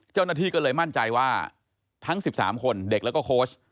เจ้าหน้าที่ก็เลยมั่นใจว่าทั้ง๑๓คนเด็กแล้วก็โค้ช